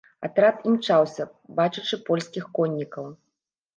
Атрад імчаўся, бачачы польскіх коннікаў.